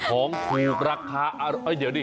ของถูกราคาเอ้าเดี๋ยวดิ